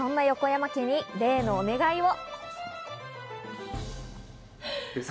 山家に例のお願いを。